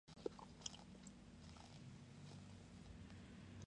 Vanesa encarna a Luján Cisneros, una maestra jardinera de los hijos de los "Sres.